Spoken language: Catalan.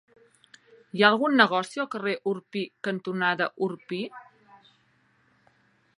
Hi ha algun negoci al carrer Orpí cantonada Orpí?